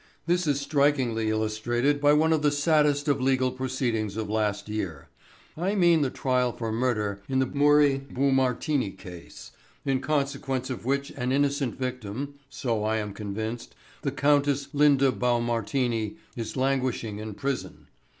This is strikingly illustrated by one of the saddest of legal proceedings of last year. I mean the trial for murder in the Murri Boumartini case, in consequence of which an innocent victim so I am convinced the Countess Linda Boumartini is languishing in prison.